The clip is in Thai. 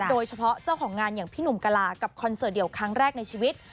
โดยเฉพาะเจ้าของงานอย่างพี่หนุ่มกะลากับคอนเสิร์ตเดียวครั้งแรกในชีวิต